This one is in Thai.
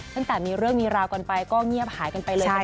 ตั้งแต่มีเรื่องมีราวก่อนก็เนี่ยเฮียบหายไปเลย